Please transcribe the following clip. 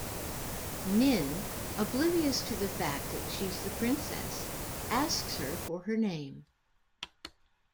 Nin, oblivious to the fact that she's the princess, asks her for her name.